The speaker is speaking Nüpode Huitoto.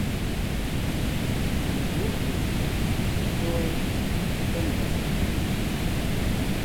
Bujude, lloebɨ jenode